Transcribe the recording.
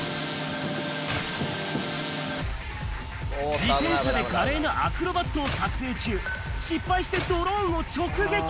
自転車で華麗なアクロバットを撮影中、失敗してドローンを直撃。